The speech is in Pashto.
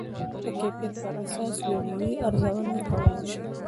د کیفیت پر اساس ویډیو ارزونه کولی شئ.